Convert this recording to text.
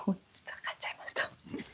買っちゃいました。